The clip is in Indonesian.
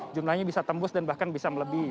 jumlahnya bisa tembus dan bahkan bisa melebihi